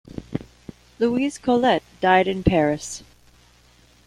Louise Colet died in Paris.